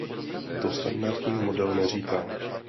To standardní model neříká.